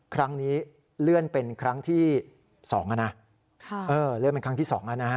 ครั้งนี้ต้องเลื่อนเป็นครั้งที่สองอ่ะนะ